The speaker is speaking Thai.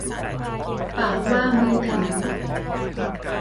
ปากว่ามือถึง